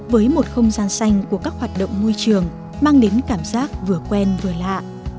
với một không gian xanh của các hoạt động môi trường mang đến cảm giác vừa quen vừa lạ